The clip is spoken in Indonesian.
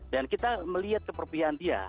dan kita melihat kepercayaan dia